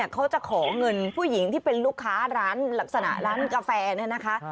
เขาจะขอเงินผู้หญิงที่เป็นลูกค้าร้านกาแฟนะคะ